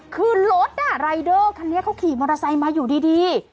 คือรถรายเดอร์คันนี้เขาขี่มอเตอร์ไซค์มาอยู่ดี